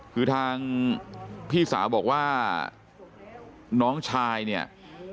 คือทางพี่สาวบอกว่าน้องชายเนี่ย